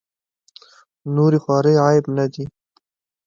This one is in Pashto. نورې خوارۍ عیب نه دي.